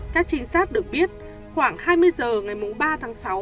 các trinh sát được biết khoảng hai mươi h ngày ba tháng sáu